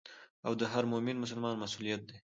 او د هر مؤمن مسلمان مسؤليت دي.